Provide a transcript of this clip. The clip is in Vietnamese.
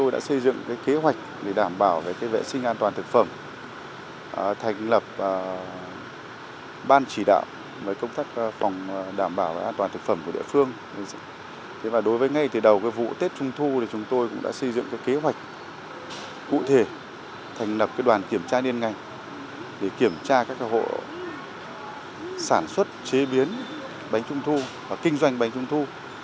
đối với ngay từ đầu vụ tết trung thu chúng tôi cũng đã xây dựng kế hoạch cụ thể thành nập đoàn kiểm tra niên ngành để kiểm tra các hộ sản xuất chế biến bánh trung thu và kinh doanh bánh trung thu